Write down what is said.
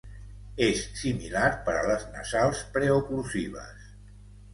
És similar per a les nasals preoclusives.